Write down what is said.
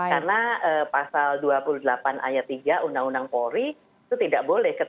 karena pasal dua puluh delapan ayat tiga undang undang polri itu tidak boleh